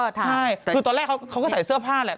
ใช่คือตอนแรกเขาก็ใส่เสื้อผ้าแหละ